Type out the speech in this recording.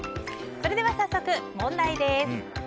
それでは早速、問題です。